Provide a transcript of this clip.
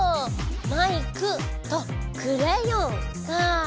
マイクとクレヨンかぁ。